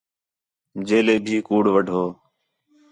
جیلے بھی کُوڑ وڈّھو